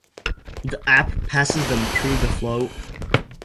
The app passes them through the flow